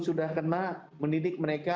sudah kena mendidik mereka